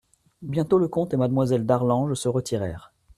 Bientôt le comte et Mademoiselle d'Arlange se retirèrent.